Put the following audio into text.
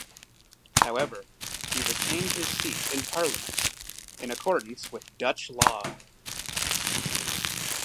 However, he retained his seat in parliament, in accordance with Dutch law.